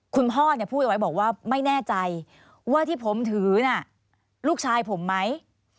คุณพ่อพูดเอาไว้บอกว่าไม่แน่ใจว่าที่ผมถือน่ะลูกชายผมไหม